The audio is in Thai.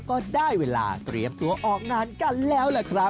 ก็ได้เวลาเตรียมตัวออกงานกันแล้วล่ะครับ